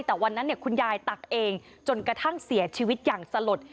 แต่วันนั้นคุณยายตักเองจนกระทั่งเสียชีวิตอย่างสลด